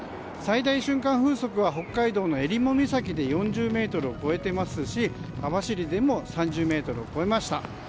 最大瞬間風速は北海道のえりも岬で４０メートルを超えていますし網走でも３０メートルを超えました。